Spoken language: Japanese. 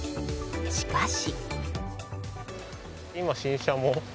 しかし。